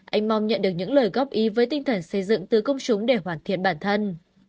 anh mong nhận được những lời góp ý với tinh thần xây dựng từ công chúng để hoàn thiện bản thân